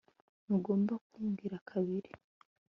ntugomba kumbwira kabiri